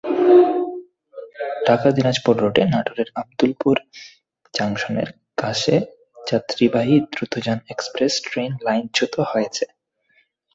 ঢাকা-দিনাজপুর রুটে নাটোরের আবদুলপুর জংশনের কাছে যাত্রীবাহী দ্রুতযান এক্সপ্রেস ট্রেন লাইনচ্যুত হয়েছে।